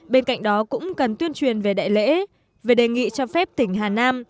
bên cạnh đó cũng cần tuyên truyền về đại lễ về đề nghị cho phép tỉnh hà nam